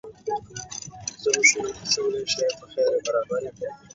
In the show, the brewery was a front company for the protagonists' elaborate cons.